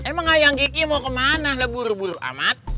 emang ayang kiki mau kemana lah buru buru amat